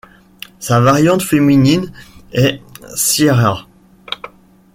Sa variante féminine est Ciara.